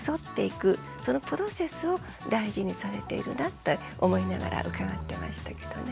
そのプロセスを大事にされているなって思いながら伺ってましたけどね。